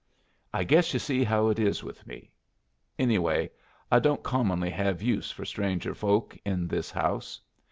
"I guess you see how it is with me. Anyway, I don't commonly hev use for stranger folks in this house.